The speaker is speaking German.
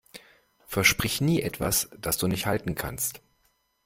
Versprich nie etwas, das du nicht halten kannst.